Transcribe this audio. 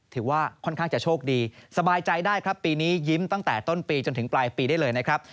ถือว่าค่อนข้างจะโชคดีสบายใจได้ครับปีนี้ยิ้มตั้งแต่ต้นปีจนถึงปลายปีได้เลยนะครับ